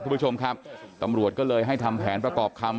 คุณผู้ชมครับตำรวจก็เลยให้ทำแผนประกอบคำ